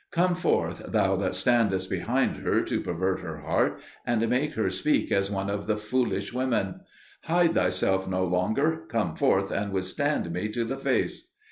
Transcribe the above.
Come forth, thou that standest behind her to pervert her heart and make her speak as one of the foolish women. Hide thyself no longer; come forth and withstand me to the face."